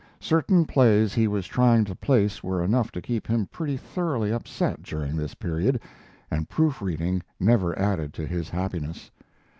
Certain plays he was trying to place were enough to keep him pretty thoroughly upset during this period, and proof reading never added to his happiness.